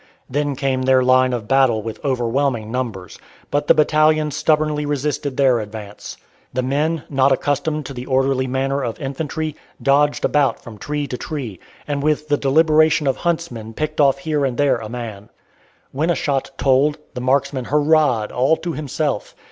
Then came their line of battle with overwhelming numbers; but the battalion stubbornly resisted their advance. The men, not accustomed to the orderly manner of infantry, dodged about from tree to tree, and with the deliberation of huntsmen picked off here and there a man. When a shot "told," the marksman hurrahed, all to himself.